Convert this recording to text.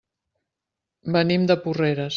Venim de Porreres.